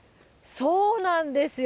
そうなんですよ。